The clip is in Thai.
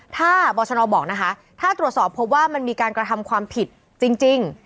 ถ้าบรชนบอกนะคะถ้าตรวจสอบพบว่ามันมีการกระทำความผิดจริง